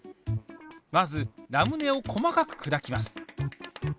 まずラムネを細かくくだきます。